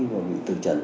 vào bị từ trận